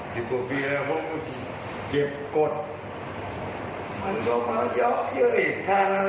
สิบกว่าปีก่อนก็เรียนรายร่างเนี่ยนะฮะสิบกว่าปีนะครับผมก็เก็บกฎ